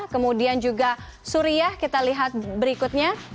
kemudian juga suriah kita lihat berikutnya